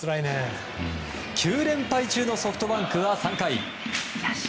９連敗中のソフトバンクは３回。